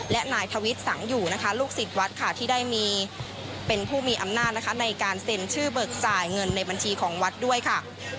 และนายทวิทย์สังอยู่นะคะลูกศิษย์วัดค่ะที่ได้มีเป็นผู้มีอำนาจนะคะในการเซ็นชื่อเบิกจ่ายเงินในบัญชีของวัดด้วยค่ะ